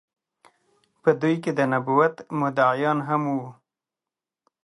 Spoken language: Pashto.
په دوی کې د نبوت مدعيانو هم وو